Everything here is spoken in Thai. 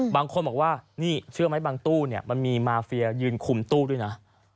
บางคนบอกว่านี่เชื่อไหมบางตู้มันมีมาเฟียยืนคุมตู้ด้วยนะ